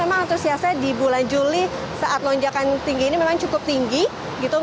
memang antusiasnya di bulan juli saat lonjakan tinggi ini memang cukup tinggi gitu